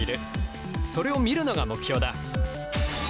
それを見るのが目標だ！